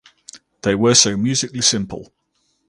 They were so musically simple.